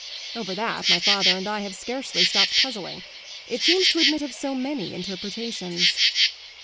Over that my father and I have scarcely stopped puzzling; it seems to admit of so many interpretations."